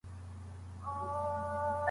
زه هر وخت پاکي ساتم چي ځان وساتم.